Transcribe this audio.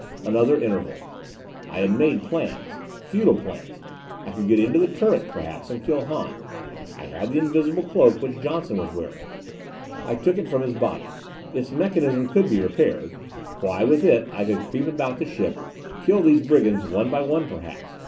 Another interval. I had made plans. Futile plans! I could get into the turret perhaps, and kill Hahn. I had the invisible cloak which Johnson was wearing. I took it from his body. Its mechanism could be repaired. Why, with it I could creep about the ship, kill these brigands one by one perhaps.